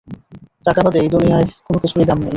টাকা বাদে এ দুনিয়ায় কোনো কিছুরই দাম নেই।